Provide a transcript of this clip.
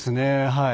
はい。